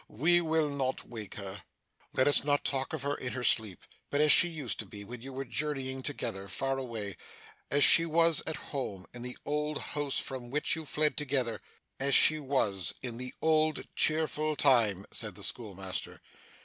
We will not wake her.' 'Let us not talk of her in her sleep, but as she used to be when you were journeying together, far away as she was at home, in the old house from which you fled together as she was, in the old cheerful time,' said the schoolmaster.